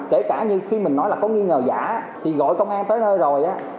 và kể cả như khi mình nói là có nghi ngờ giả thì gọi công an tới nơi rồi